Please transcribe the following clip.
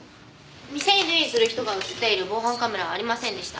店に出入りする人が映っている防犯カメラはありませんでした。